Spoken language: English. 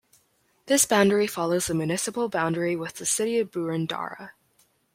This boundary follows the municipal boundary with the City of Boroondara.